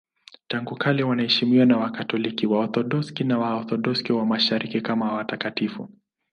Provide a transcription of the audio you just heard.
Tangu kale wanaheshimiwa na Wakatoliki, Waorthodoksi na Waorthodoksi wa Mashariki kama watakatifu.